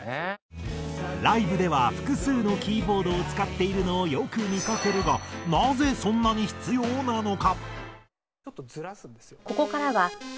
ライブでは複数のキーボードを使っているのをよく見かけるがなぜそんなに必要なのか？